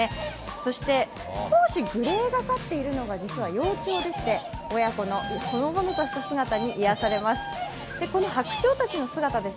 そして、少しグレーがかかっているのが幼鳥でして親子の姿に癒やされます。